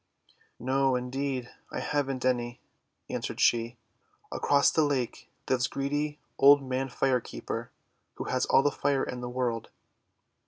:'No, indeed, I haven't any," answered she. '' Across the lake lives greedy Old Man Fire Keeper, who has all the Fire in the world."